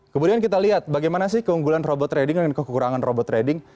kemudian kita lihat bagaimana sih keunggulan robot trading dan kekurangan robot trading